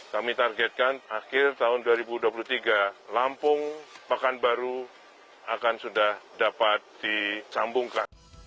kami targetkan akhir tahun dua ribu dua puluh tiga lampung pekanbaru akan sudah dapat disambungkan